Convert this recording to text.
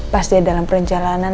pas dia dalam perjalanan